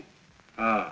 ああ。